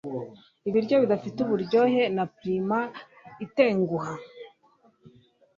ibiryo bidafite uburyohe na primer itenguha